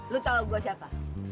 lu tau gue siapa